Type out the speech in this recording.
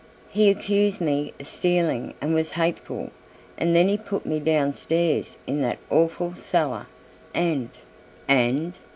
"He accused me of stealing and was hateful, and then he put me downstairs in that awful cellar and " "And?"